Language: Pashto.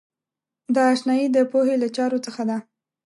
دا آشنایۍ د پوهې له چارو څخه ده.